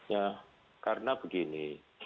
ya karena begini